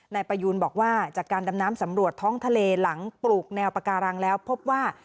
นายประยูนบอกว่าจากการดำน้ำสำรวจท้องทะเลหลังปลูกแนวปาการังแล้วพบว่า